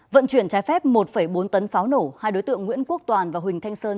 vận chuyển trái phép một bốn tấn pháo nổ hai đối tượng nguyễn quốc toàn và huỳnh thanh sơn